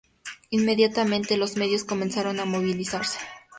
Inmediatamente, los medios comenzaron a movilizarse.